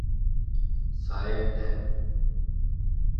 Sayende.